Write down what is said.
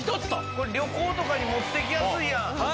これ旅行とかに持っていきやすいやん。